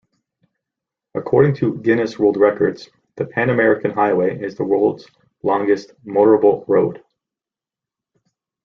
According to "Guinness World Records", the Pan-American Highway is the world's longest "motorable road".